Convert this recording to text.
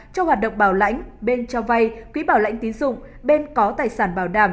cho hoạt động bảo lãnh bên cho vai quỹ bảo lãnh tiến dụng bên có tài sản bảo đảm